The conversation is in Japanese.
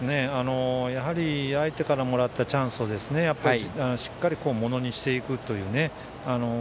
相手からもらったチャンスをしっかりものにしていくというね。